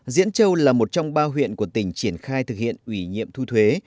diễn châu là một trong ba huyện của tỉnh triển khai thực hiện ủy nhiệm thu thuế